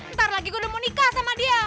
ntar lagi gue udah mau nikah sama dia